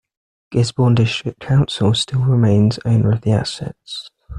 Gisborne District Council still remains owner of the assets.